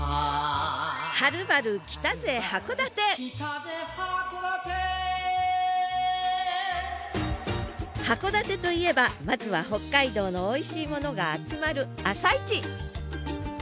はるばる来たぜ函館函館といえばまずは北海道のおいしいものが集まる朝市！